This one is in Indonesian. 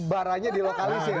baranya dilokalisir ya